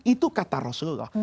itu kata rasulullah